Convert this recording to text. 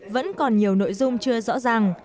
vẫn còn nhiều nội dung chưa rõ ràng